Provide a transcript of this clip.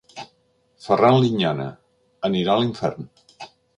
"Ferran Liñana: anirà a l'infern".